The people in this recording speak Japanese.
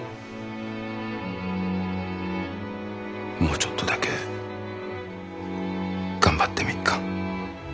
もうちょっとだけ頑張ってみっか。